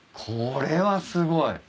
これはすごい。